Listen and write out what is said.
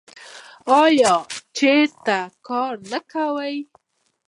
آیا چې کار نه کوي؟